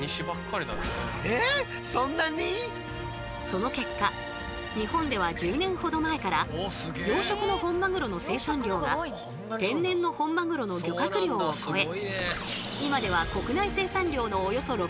その結果日本では１０年ほど前から養殖の本マグロの生産量が天然の本マグロの漁獲量を超え